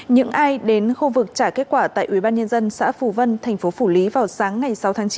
những ai đến khu vực trả kết quả tại ubnd xã phù vân thành phố phủ lý vào sáng ngày sáu tháng chín